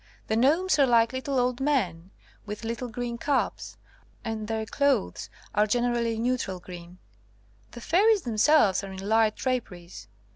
The gnomes are like little old men, with little green caps, and their clothes are generally neutral green. The fairies themselves are in light draperies.